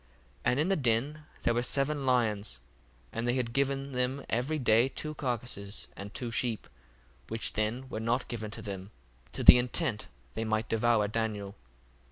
1:32 And in the den there were seven lions, and they had given them every day two carcases, and two sheep: which then were not given to them, to the intent they might devour Daniel.